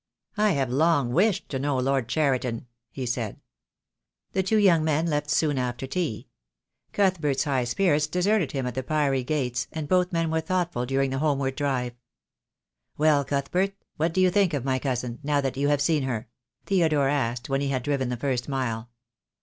"I have long wished to know Lord Cheriton," he said. The two young men left soon after tea. Cuthbert's THE DAY WILL COME. IO5 high spirits deserted him at the Priory gates, and both men were thoughtful during the homeward drive. "Well, Cuthert, what do you think of my cousin, now that you have seen her?" Theodore asked, when he had driven the first mile.